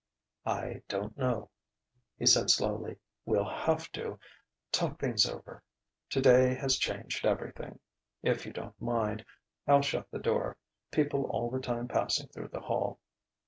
"I don't know," he said slowly. "We'll have to ... talk things over. Today has changed everything.... If you don't mind, I'll shut the door: people all the time passing through the hall...."